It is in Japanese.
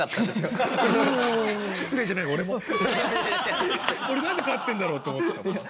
俺なんで勝ってんだろうって思ってたのよ。